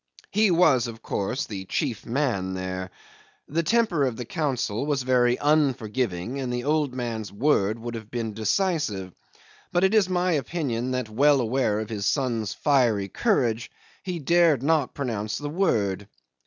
He was, of course, the chief man there. The temper of the council was very unforgiving, and the old man's word would have been decisive; but it is my opinion that, well aware of his son's fiery courage, he dared not pronounce the word.